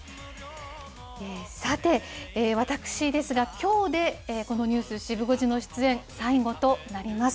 さて、私ですが、きょうでこのニュースシブ５時の出演、最後となります。